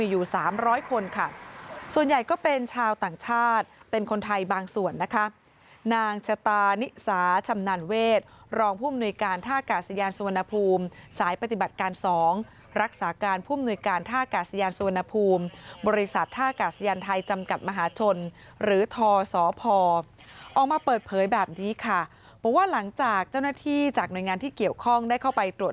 อยู่สามร้อยคนค่ะส่วนใหญ่ก็เป็นชาวต่างชาติเป็นคนไทยบางส่วนนะคะนางชะตานิสาชำนาญเวทรองผู้มนุยการท่ากาศยานสุวรรณภูมิสายปฏิบัติการ๒รักษาการผู้มนุยการท่ากาศยานสุวรรณภูมิบริษัทท่ากาศยานไทยจำกัดมหาชนหรือทศพออกมาเปิดเผยแบบนี้ค่ะบอกว่าหลังจากเจ้าหน้าที่จากหน่วยงานที่เกี่ยวข้องได้เข้าไปตรวจ